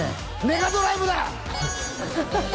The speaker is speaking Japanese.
メガドライブだ！